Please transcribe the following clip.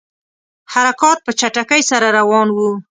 حرکات په چټکۍ سره روان وه.